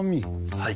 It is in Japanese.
はい。